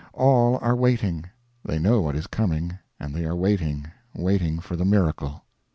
All are waiting; they know what is coming, and they are waiting waiting for the miracle.